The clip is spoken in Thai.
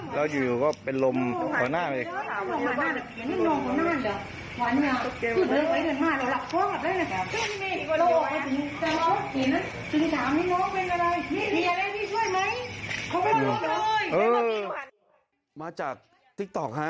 แล้วอยู่ก็เป็นลมข้อหน้าไป